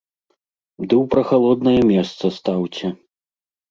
Ды ў прахалоднае месца стаўце.